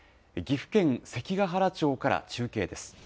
岐阜県関ケ原町から中継です。